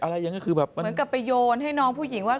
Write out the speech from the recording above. อะไรอย่างนี้คือแบบเหมือนกับไปโยนให้น้องผู้หญิงว่า